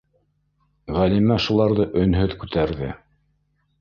Ғәлимә шуларҙы өнһөҙ күтәрҙе.